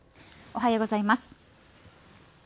おはようございます。